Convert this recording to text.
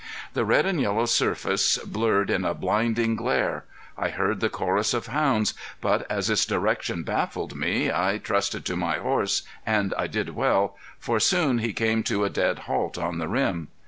The red and yellow surface blurred in a blinding glare. I heard the chorus of hounds, but as its direction baffled me I trusted to my horse and I did well, for soon he came to a dead halt on the rim.